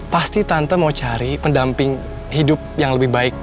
pasti tante mau cari pendamping hidup yang lebih baik